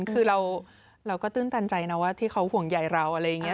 คือเราก็ตื้นตันใจนะว่าที่เขาห่วงใหญ่เราอะไรอย่างนี้